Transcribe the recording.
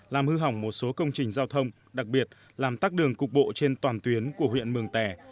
làm hư hỏng một số công trình giao thông đặc biệt làm tắt đường cục bộ trên toàn tuyến của huyện mường tè